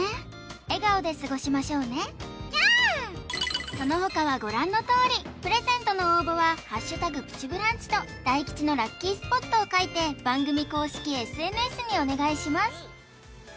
笑顔で過ごしましょうねその他はご覧のとおりプレゼントの応募は「＃プチブランチ」と大吉のラッキースポットを書いて番組公式ＳＮＳにお願いします